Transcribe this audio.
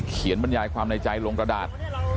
บรรยายความในใจลงกระดาษ